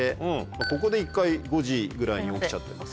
ここで一回５時ぐらいに起きちゃってますね。